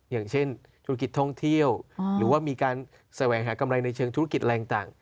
อย่างเช่นธุรกิจท่องเที่ยวหรือว่ามีการแสวงหากำไรในเชิงธุรกิจอะไรต่าง